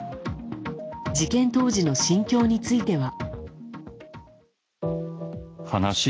事件当時の心境については。